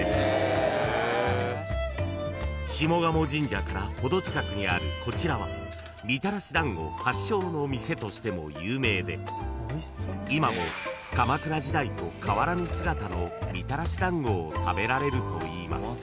［下鴨神社からほど近くにあるこちらはみたらし団子発祥の店としても有名で今も鎌倉時代と変わらぬ姿のみたらし団子を食べられるといいます］